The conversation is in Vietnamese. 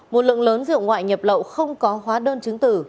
một lượng lớn rượu ngoại nhập lậu không có hóa đơn chứng tử